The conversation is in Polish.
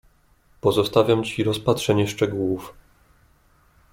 "Pozostawiam ci rozpatrzenie szczegółów."